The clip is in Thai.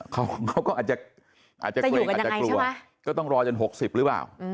เขาก็อาจจะกลัวก็ต้องรอจน๖๐หรือเปล่า